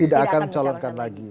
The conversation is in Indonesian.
tidak akan mencalon lagi